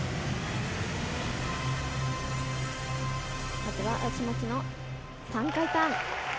まずは足持ちの３回ターン。